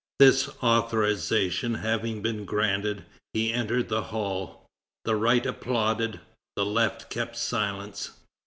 This authorization having been granted, he entered the hall. The right applauded; the left kept silence.